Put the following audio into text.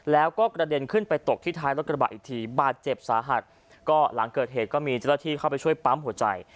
แล้วก็กระเด็นขึ้นไปตกที่ท้ายรถกระบะอีกทีบาดเจ็บสาหัสก็หลังเกิดเหตุก็มีเจ้าหน้าที่เข้าไปช่วยปั๊มหัวใจ